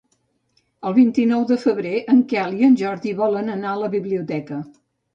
El vint-i-nou de febrer en Quel i en Jordi volen anar a la biblioteca.